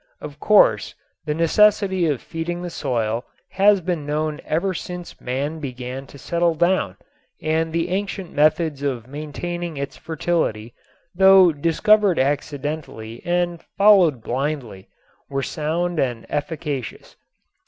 Of course the necessity of feeding the soil has been known ever since man began to settle down and the ancient methods of maintaining its fertility, though discovered accidentally and followed blindly, were sound and efficacious.